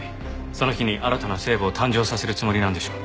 その日に新たな聖母を誕生させるつもりなんでしょう。